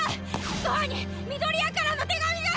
ドアに緑谷からの手紙が！